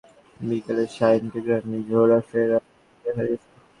যেদিন জুয়েল নিখোঁজ হন, সেদিন বিকেলে শাহিনকে গ্রামে ঘোরাফেরা করতে দেখা গেছে।